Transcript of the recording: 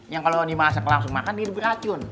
yang kalau dimasak langsung makan jadi beracun